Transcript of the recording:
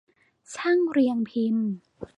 ช่างเรียงพิมพ์